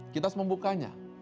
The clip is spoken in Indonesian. kita harus membukanya